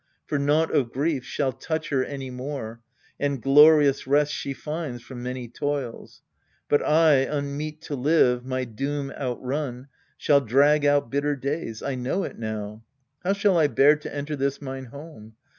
For naught of grief shall touch her any more, And glorious rest she finds from many toils. But I, unmeet to live, my doom outrun, Shall drag out bitter days : I know it now. How shall I bear to enter this mine home